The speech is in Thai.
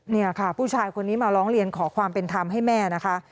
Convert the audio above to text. นี่ค่ะผู้ชายคนนี้มาร้องเรียนขอความเป็นธรรมให้แม่นะคะ